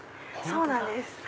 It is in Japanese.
そうなんです。